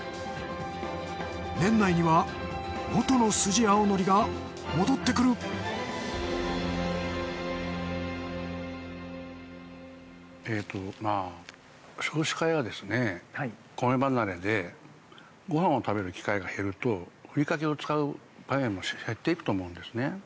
年内にはもとのスジアオノリが戻ってくるまあ少子化やコメ離れでご飯を食べる機会が減るとふりかけを使う早い話減っていくと思うんですね。